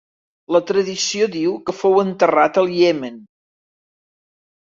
La tradició diu que fou enterrat al Iemen.